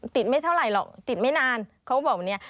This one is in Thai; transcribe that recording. ติดไม่เท่าไรหรอกติดไม่นานเค้าก็บอกว่าเนี่ย